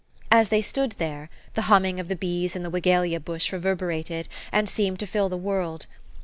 As they stood there, the humming of the bees in the wigelia bush reverberated, and seemed to fill the world.